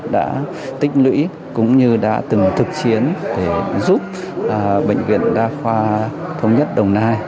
đã tích lũy cũng như đã từng thực chiến để giúp bệnh viện đa khoa thống nhất đồng nai